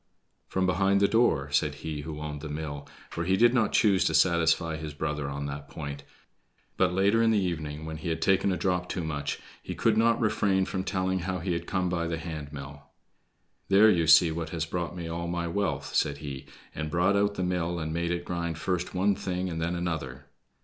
"From behind the door," said he who owned the mill, for he did not choose to satisfy his brother on that point; but later in the evening, when he had taken a drop too much, he could not refrain from telling how he had come by the hand mill. "There you see what has brought me all my wealth!" said he, and brought out the mill and made it grind first one thing and then another.